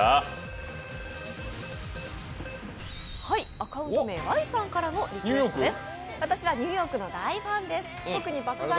アカウント名、Ｙさんからのリクエストです。